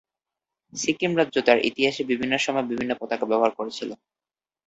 সিকিম রাজ্য তার ইতিহাসের বিভিন্ন সময়ে বিভিন্ন পতাকা ব্যবহার করেছিল।